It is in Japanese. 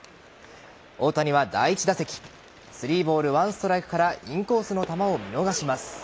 大谷は第１打席３ボール１ストライクからインコースの球を見逃します。